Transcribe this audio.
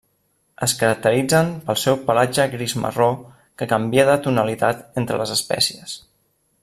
Es caracteritzen pel seu pelatge gris-marró, que canvia de tonalitat entre les espècies.